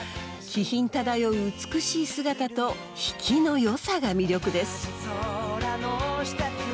気品漂う美しい姿と引きのよさが魅力です。